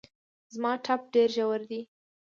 زما ټپ ډېر ژور دی